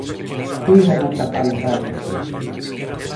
φύγανε τα παλικάρια